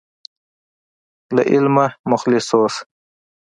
له علمه مخلص اوسه.